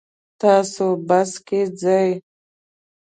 تاسو بس کې ځئ؟